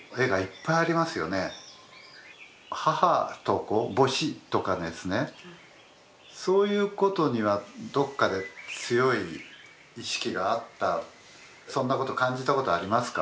母と子母子とかですねそういうことにはどっかで強い意識があったそんなこと感じたことありますか？